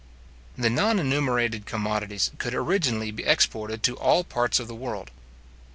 The non enumerated commodities could originally be exported to all parts of the world.